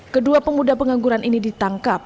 kedua pemuda pengangguran ini ditangkap